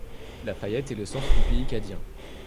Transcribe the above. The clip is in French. Lafayette est le centre du pays cadien.